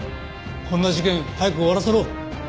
こんな事件早く終わらせろ。